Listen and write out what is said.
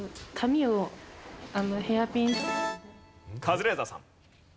カズレーザーさん。